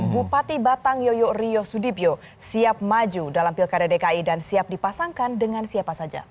bupati batang yoyo ryo sudibyo siap maju dalam pilkada dki dan siap dipasangkan dengan siapa saja